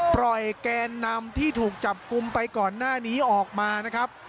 แกนนำที่ถูกจับกลุ่มไปก่อนหน้านี้ออกมานะครับ